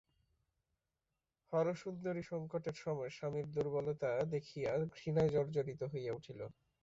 হরসুন্দরী সংকটের সময় স্বামীর দুর্বলতা দেখিয়া ঘৃণায় জর্জরিত হইয়া উঠিল।